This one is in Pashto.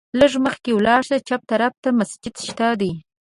لږ مخکې ولاړ شه، چپ طرف ته مسجد شته دی.